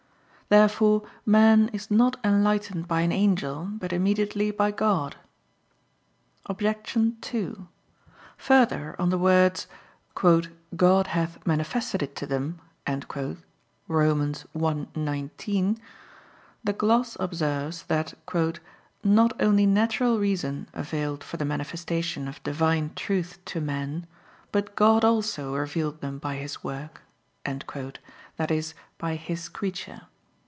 Therefore man is not enlightened by an angel; but immediately by God. Obj. 2: Further, on the words, "God hath manifested it to them" (Rom. 1:19), the gloss observes that "not only natural reason availed for the manifestation of Divine truths to men, but God also revealed them by His work," that is, by His creature.